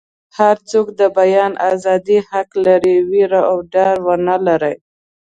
هر څوک د بیان ازادي حق لري ویره او ډار ونه لري.